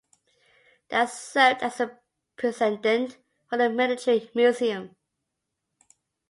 That served as the precedent for the military museum.